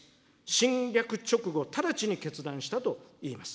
侵略直後、ただちに決断したといいます。